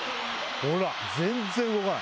ほら全然動かない。